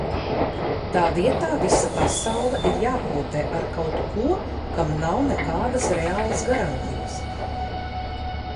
Tā vietā visa pasaule ir jāpotē ar kaut ko, kam nav nekādas reālas garantijas...